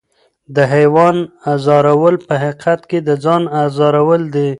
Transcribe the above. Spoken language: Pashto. د حیوان ازارول په حقیقت کې د ځان ازارول دي.